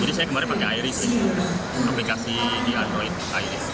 jadi saya kemarin pakai airi sih aplikasi di android airi